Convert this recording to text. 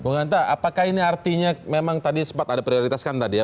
bung ganta apakah ini artinya memang tadi sempat ada prioritas kan tadi ya